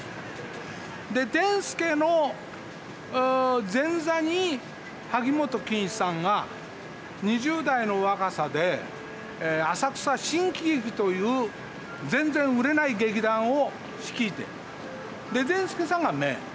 でデン助の前座に萩本欽一さんが２０代の若さで浅草新喜劇という全然売れない劇団を率いてでデン助さんがメイン。